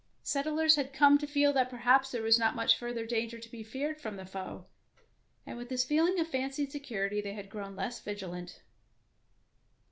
The settlers had come to feel that perhaps there was not much further danger to be feared from the foe, and with this feeling of fancied security they had grown less vigilant.